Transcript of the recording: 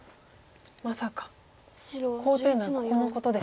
まさかコウというのはここのことですか。